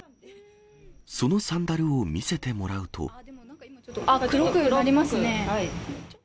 そのサンダルを見せてもらう黒くなりますね。